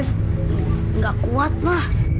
tapi dev nggak kuat ma